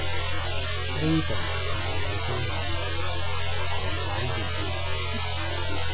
呢度唔理中文，齋講粵語